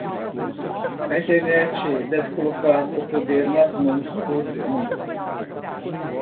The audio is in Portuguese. A Internet deve colocar o poder nas mãos dos muitos